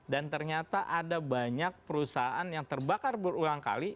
dan ternyata ada banyak perusahaan yang terbakar berulang kali